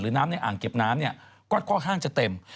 น้ำในอ่างเก็บน้ำเนี่ยก็ค่อนข้างจะเต็ม